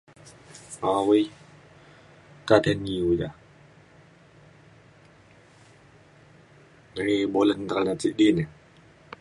Awi kad MU da dari. [unintelligible]